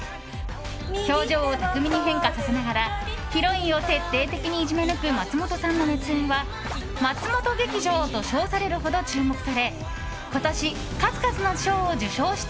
表情を巧みに変化させながらヒロインを徹底的にいじめ抜く松本さんの熱演は松本劇場と称されるほど注目され今年、数々の賞を受賞した。